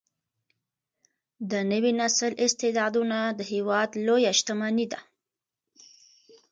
د نوي نسل استعدادونه د هیواد لویه شتمني ده.